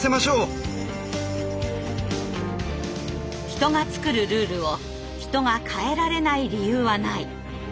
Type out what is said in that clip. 人が作るルールを人が変えられない理由はない。